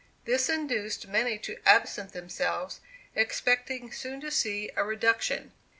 This induced many to absent themselves, expecting soon to see a reduction.